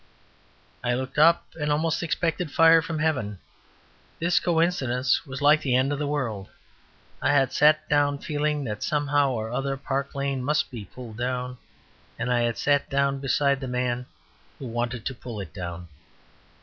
I looked up and almost expected fire from heaven. This coincidence was like the end of the world. I had sat down feeling that somehow or other Park lane must be pulled down; and I had sat down beside the man who wanted to pull it down.